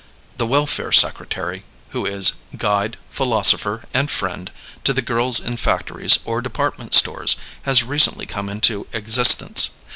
The welfare secretary, who is "guide, philosopher, and friend" to the girls in factories or department stores, has recently come into existence.